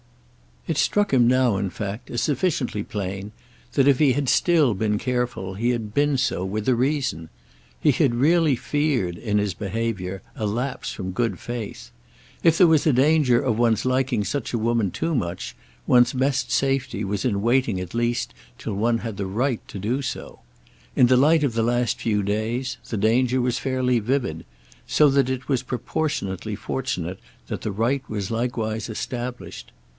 It struck him now in fact as sufficiently plain that if he had still been careful he had been so for a reason. He had really feared, in his behaviour, a lapse from good faith; if there was a danger of one's liking such a woman too much one's best safety was in waiting at least till one had the right to do so. In the light of the last few days the danger was fairly vivid; so that it was proportionately fortunate that the right was likewise established.